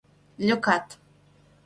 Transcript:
Лӧкат.